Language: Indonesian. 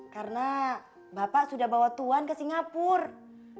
karena bapak sudah bawa tuan ke singapura